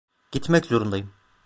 Gitmek zorundayım.